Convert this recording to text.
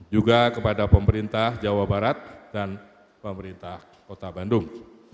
juga kepada pemerintah jawa barat dan pemerintah kota bandung